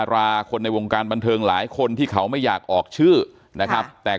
ราคนในวงการบันเทิงหลายคนที่เขาไม่อยากออกชื่อนะครับแต่